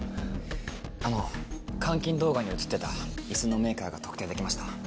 あの監禁動画に写ってた椅子のメーカーが特定できました。